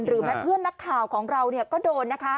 แม้เพื่อนนักข่าวของเราก็โดนนะคะ